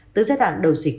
từ giai đoạn đầu dịch